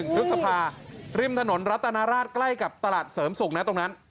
พฤษภาริมถนนรัตนราชใกล้กับตลาดเสริมสุขนะตรงนั้น